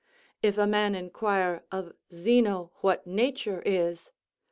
If a man inquire of Zeno what nature is?